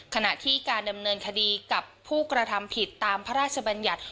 ขณะที่การดำเนินคดีกับผู้กระทำผิดตามพระราชบัญญัติ